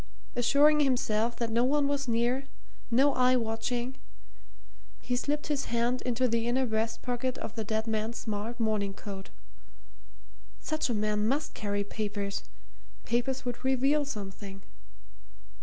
Assuring himself that no one was near, no eye watching, he slipped his hand into the inner breast pocket of the dead man's smart morning coat. Such a man must carry papers papers would reveal something.